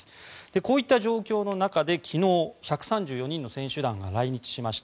こういった状況の中で昨日、１３４人の選手団が来日しました。